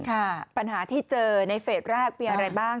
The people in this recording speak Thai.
ค่ะปัญหาที่เจอในเฟสแรกมีอะไรบ้าง